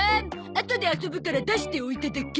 あとで遊ぶから出しておいただけ。